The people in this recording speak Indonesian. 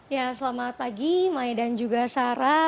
ya selamat pagi mae dan juga sarah